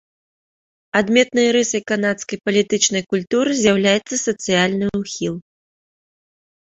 Адметнай рысай канадскай палітычнай культуры з'яўляецца сацыяльны ўхіл.